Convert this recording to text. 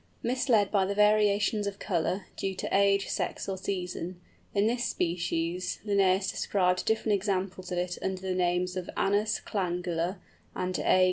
Misled by the variations of colour, due to age, sex, or season, in this species, Linnæus described different examples of it under the names of Anas clangula and _A.